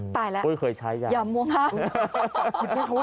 ตายแล้ว